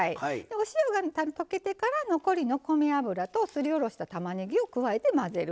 お塩が溶けてから残りの米油とすり下ろしたたまねぎを加えて混ぜる。